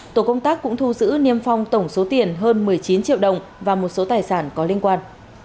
tổ công tác cũng thu giữ niêm phong tổng số tiền hơn một mươi chín triệu đồng và một số tài sản có liên quan